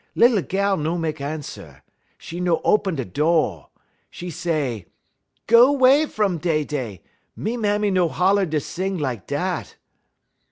Lilly gal no mek answer. 'E no y open da do'. 'E say: "'Go 'way fum dey dey! Me mammy no holler da sing lak dat!'